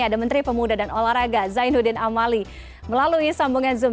ada menteri pemuda dan olahraga zainuddin amali melalui sambungan zoom